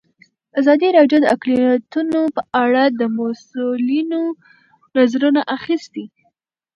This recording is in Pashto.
ازادي راډیو د اقلیتونه په اړه د مسؤلینو نظرونه اخیستي.